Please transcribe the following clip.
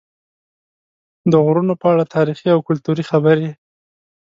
د غرونو په اړه تاریخي او کلتوري خبرې